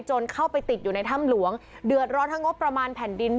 เข้าไปติดอยู่ในถ้ำหลวงเดือดร้อนทั้งงบประมาณแผ่นดิน